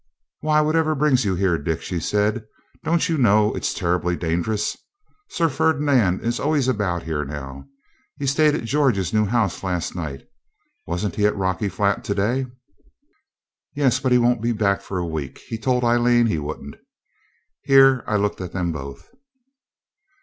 'Why, whatever brings you here, Dick?' she said. 'Don't you know it's terribly dangerous? Sir Ferdinand is always about here now. He stayed at George's new house last night. Wasn't he at Rocky Flat to day?' 'Yes, but he won't be back for a week. He told Aileen here he wouldn't.' Here I looked at them both.